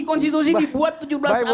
konstitusi dibuat tujuh belas a